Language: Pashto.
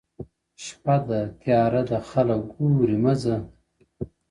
شپه ده تياره ده خلک گورې مه ځه’